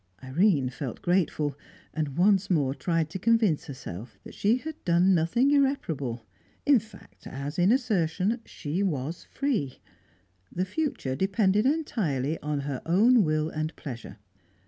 Irene felt grateful, and once more tried to convince herself that she had done nothing irreparable. In fact, as in assertion, she was free. The future depended entirely on her own will and pleasure.